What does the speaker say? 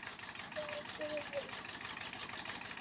এ তুমি গায়ের জোরে বলছ।